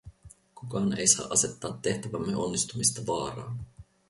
Kukaan ei saa asettaa tehtävämme onnistumista vaaraan.